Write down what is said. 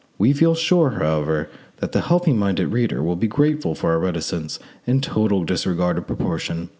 We feel sure, however, that the healthy minded reader will be grateful for our reticence and total disregard of proportion.